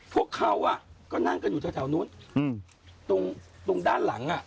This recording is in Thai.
พวกเขาก็นั่งกันอยู่แถวนู้นตรงด้านหลังอ่ะ